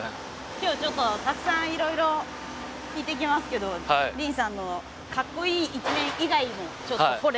今日ちょっとたくさんいろいろ聞いていきますけどディーンさんのかっこいい一面以外もちょっと掘れたらなと思ってます。